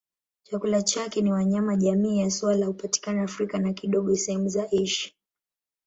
Chakula chake ni wanyama jamii ya swala hupatikana Afrika na kidogo sehemu za Asia.